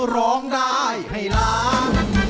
ร้องได้ให้ล้าน